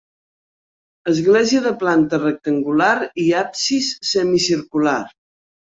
Església de planta rectangular i absis semicircular.